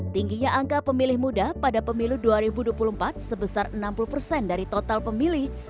tingginya angka pemilih muda pada pemilu dua ribu dua puluh empat sebesar enam puluh persen dari total pemilih